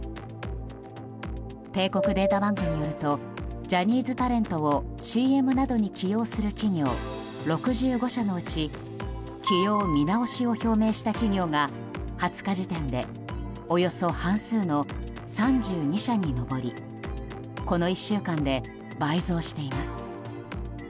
帝国データバンクによるとジャニーズタレントをＣＭなどに起用する企業６５社のうち起用見直しを表明した企業が２０日時点でおよそ半数の３２社に上りこの１週間で倍増しています。